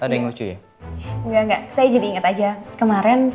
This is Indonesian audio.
ada yang lucu yag ungak saya jadi ingat aja kemarin staff dari pt el nino gemilang